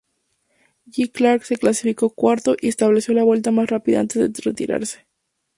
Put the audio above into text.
Jim Clark se clasificó cuarto, y estableció la vuelta más rápida antes de retirarse.